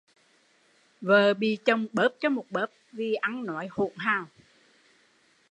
Vợ bị chồng bớp cho một bớp vì ăn nói hỗn hào